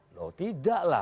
loh tidak lah